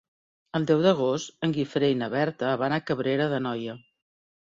El deu d'agost en Guifré i na Berta van a Cabrera d'Anoia.